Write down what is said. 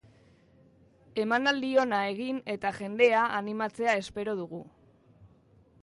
Emanaldi ona egin eta jendea animatzea espero dugu.